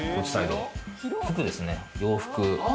服ですね、洋服。